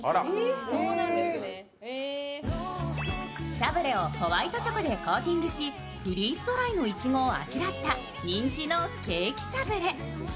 サブレをホワイトチョコでコーティングし、フリーズドライのいちごをあしらった人気のケーキサブレ。